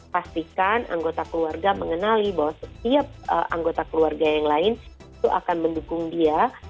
pastikan anggota keluarga mengenali bahwa setiap anggota keluarga yang lain itu akan mendukung dia